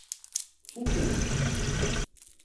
Tfukemt?